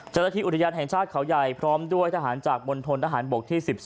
เจฬทีอุตยันแห่งชาติเขาใหญ่พร้อมด้วยทหารจากบนธนฯทหารบกที่